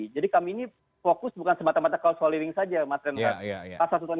jadi kami ini fokus bukan semata mata kaos all in win saja mas renrat